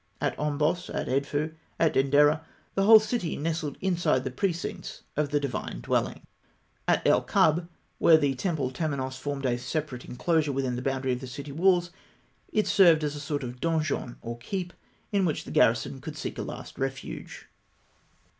At Ombos, at Edfû, at Denderah, the whole city nestled inside the precincts of the divine dwelling. At El Kab, where the temple temenos formed a separate enclosure within the boundary of the city walls, it served as a sort of donjon, or keep, in which the garrison could seek a last refuge.